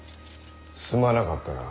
すまなかったな。